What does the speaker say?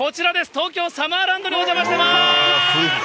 東京サマーランドにお邪魔してます！